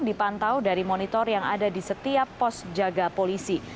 dipantau dari monitor yang ada di setiap pos jaga polisi